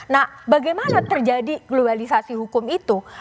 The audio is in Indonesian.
nah bagaimana terjadi globalisasi hukum itu